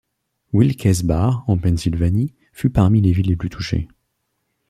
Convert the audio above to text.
Wilkes-Barre, en Pennsylvanie, fut parmi les villes les plus touchées.